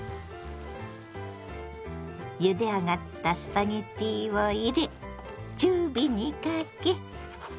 ゆで上がったスパゲッティを入れ中火にかけ。